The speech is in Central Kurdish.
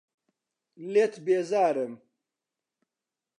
لێت بێزارم.